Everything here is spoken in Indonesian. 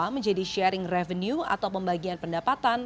menjadi sharing revenue atau pembagian pendapatan